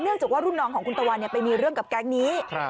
จากว่ารุ่นน้องของคุณตะวันไปมีเรื่องกับแก๊งนี้